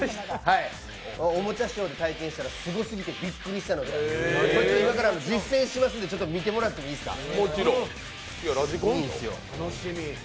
おもちゃショーで体験したらすごすぎてびっくりしたのでこれ今から実践しますんで見てもらっていいですか。